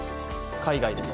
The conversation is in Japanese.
海外です。